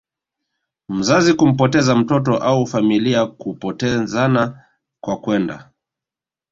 mzazi kumpoteza mtoto au familia kupotezana kwa kwenda